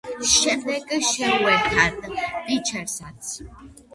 შემდეგ შეუერთდა „ვიჩენცას“.